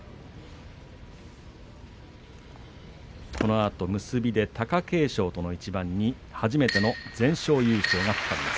このあと結びで貴景勝との一番に初めての全勝優勝が懸かります。